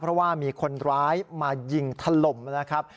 เพราะว่ามีคนร้ายมายิงถล่มนะครับ